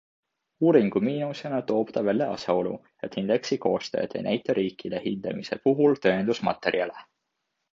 Uuringu miinusena toob ta välja asjaolu, et indeksi koostajad ei näita riikide hindamise puhul tõendusmaterjale.